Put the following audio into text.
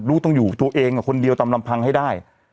ลูกต้องอยู่ตัวเองกับคนเดียวตามลำพังให้ได้